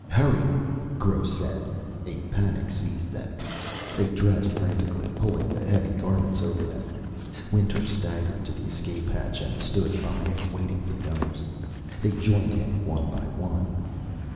"Hurry," Gross said. A panic seized them. They dressed frantically, pulling the heavy garments over them. Winter staggered to the escape hatch and stood by it, waiting for the others. They joined him, one by one.